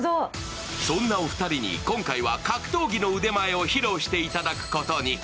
そんなお二人に今回は格闘技の腕前を披露していただくことに。